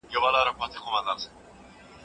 حق د رښتیني بریا یوازینۍ لاره ده.